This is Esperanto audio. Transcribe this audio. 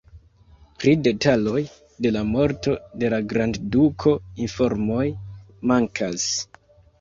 Pri detaloj de la morto de la grandduko informoj mankas.